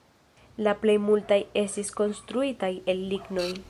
La plej multaj estis konstruitaj el lignoj.